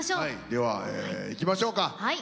ではいきましょうか。